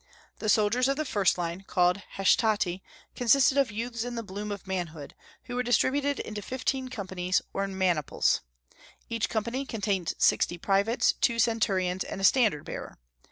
The soldiers of the first line, called Hastati, consisted of youths in the bloom of manhood, who were distributed into fifteen companies, or maniples. Each company contained sixty privates, two centurions, and a standard bearer.